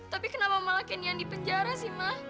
tapi kenapa malah candy yang di penjara sih ma